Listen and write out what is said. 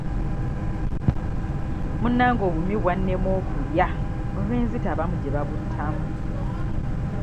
Munnange obumyu bwannema okulya olw'enzita abamu gye babuttamu.